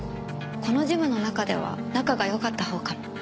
このジムの中では仲が良かったほうかも。